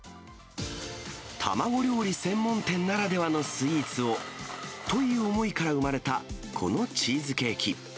卵料理専門店ならではのスイーツをという思いから生まれたこのチーズケーキ。